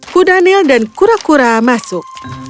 kuda nil dan kura kura masuk